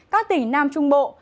các tỉnh nam trung quốc